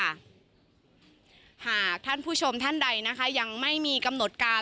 หากท่านผู้ชมท่านใดนะคะยังไม่มีกำหนดการ